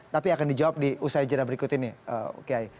tapi akan dijawab di usai jenah berikut ini kiai